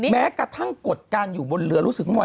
แม้กระทั่งกฏการณ์อยู่บนเรือ